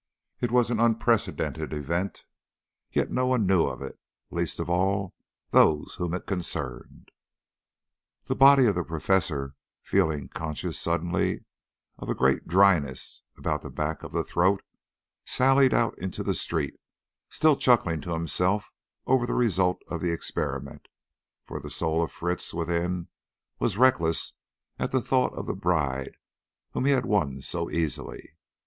It was an unprecedented event, yet no one knew of it, least of all those whom it concerned. The body of the Professor, feeling conscious suddenly of a great dryness about the back of the throat, sallied out into the street, still chuckling to himself over the result of the experiment, for the soul of Fritz within was reckless at the thought of the bride whom he had won so easily.